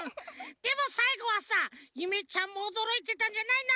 でもさいごはさゆめちゃんもおどろいてたんじゃないの？